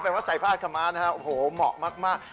ก็เป็นว่าใส่ผ้าขมานะครับโหเหมาะมาก